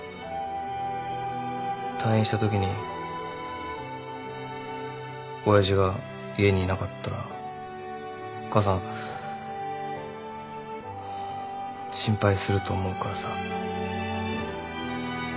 退院したときに親父が家にいなかったら母さん心配すると思うからさ。